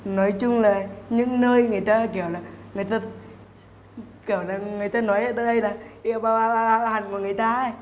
nói chung là những nơi người ta kiểu là người ta nói ở đây là yêu bà bà bà bà hẳn của người ta